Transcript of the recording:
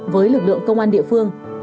với lực lượng công an địa phương